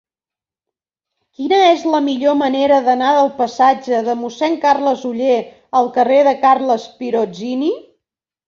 Quina és la millor manera d'anar del passatge de Mossèn Carles Oller al carrer de Carles Pirozzini?